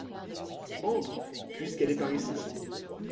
Entre, puisqu'elle est par ici!